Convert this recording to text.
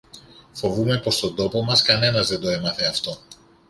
Φοβούμαι πως στον τόπο μας κανένας δεν το έμαθε αυτό.